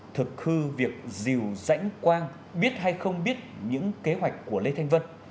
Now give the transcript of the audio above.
thực hư việc dìu rãnh quang biết hay không biết những kế hoạch của lê thanh vân